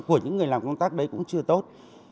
của những người làm công tác đấy cũng chưa tốt